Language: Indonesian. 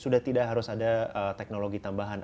sudah tidak harus ada teknologi tambahan